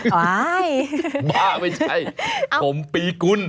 บ้าไม่ใช่ฝนปีท์กุล